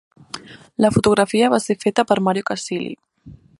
La fotografia va ser feta per Mario Casilli.